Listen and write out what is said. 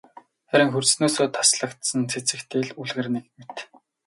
Харин хөрснөөсөө таслагдсан цэцэгтэй л үлгэр нэг мэт.